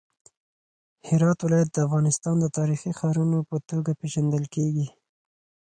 هرات ولایت د افغانستان د تاریخي ښارونو په توګه پیژندل کیږي.